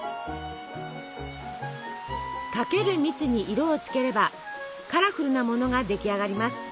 かける蜜に色をつければカラフルなものが出来上がります。